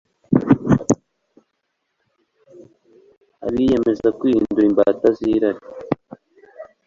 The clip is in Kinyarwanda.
Abiyemeza kwihindura imbata zirari